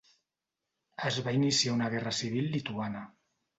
Es va iniciar una guerra civil lituana.